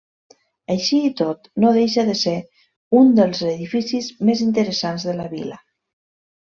Així i tot no deixa de ser un dels edificis més interessants de la vila.